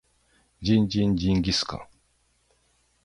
ジンジンジンギスカン